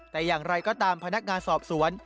แต่อย่างไรก็ตามพนักงานสอบสวน